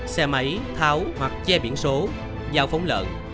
xe máy tháo hoặc che biển số dao phóng lợn